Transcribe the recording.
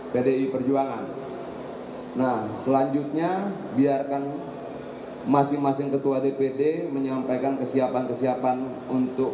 pdi perjuangan nah selanjutnya biarkan masing masing ketua dpd menyampaikan kesiapan kesiapan untuk